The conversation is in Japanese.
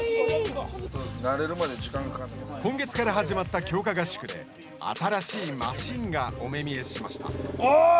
今月から始まった強化合宿で新しいマシンがお目見えしました。